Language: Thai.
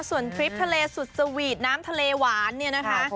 ส่วนทริปทะเลสุดสวีทน้ำทะเลหวานเนี่ยนะคะ